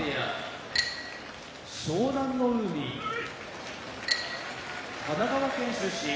湘南乃海神奈川県出身